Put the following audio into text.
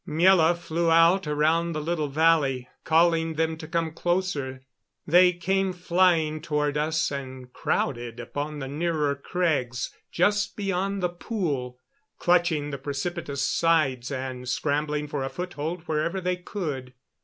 Miela flew out around the little valley, calling them to come closer. They came flying toward us and crowded upon the nearer crags just beyond the pool, clutching the precipitous sides, and scrambling for a foothold wherever they could.